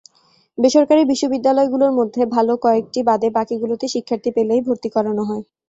বেসরকারি বিশ্ববিদ্যালয়গুলোর মধ্যে ভালো কয়েকটি বাদে বাকিগুলোতে শিক্ষার্থী পেলেই ভর্তি করানো হয়।